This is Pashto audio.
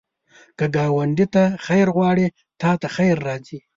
که ګاونډي ته خیر غواړې، تا ته خیر راځي